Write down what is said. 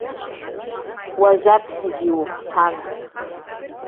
Уажәаԥхьагьы иухәҭан!